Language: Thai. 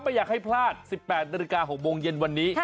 ไม่อยากให้พลาด๑๘นาฬิกา๖โมงเย็นวันนี้